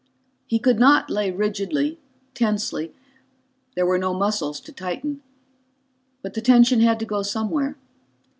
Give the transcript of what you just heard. He could not lay rigidly, tensely there were no muscles to tighten. But the tension had to go somewhere.